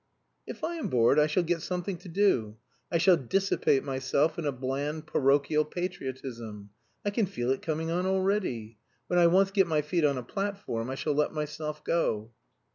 "If I am bored I shall get something to do. I shall dissipate myself in a bland parochial patriotism. I can feel it coming on already. When I once get my feet on a platform I shall let myself go."